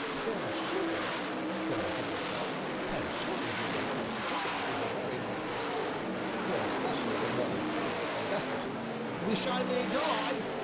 "Ten shillings!" said I to myself, "ten shillings, when one comes to think of it, is a very handsome sum more especially when one is penniless and destitute!" "Wish I may die!"